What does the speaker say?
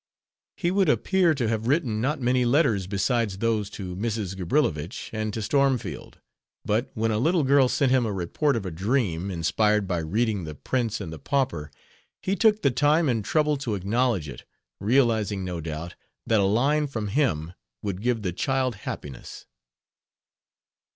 He would appear to have written not many letters besides those to Mrs. Gabrilowitsch and to Stormfield, but when a little girl sent him a report of a dream, inspired by reading The Prince and the Pauper, he took the time and trouble to acknowledge it, realizing, no doubt, that a line from him would give the child happiness.